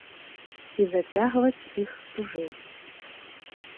І зацягваць іх тужэй.